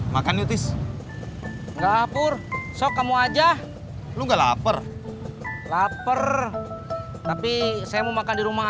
makanya tis lapur sok kamu aja lu gak lapar lapar tapi saya mau makan di rumah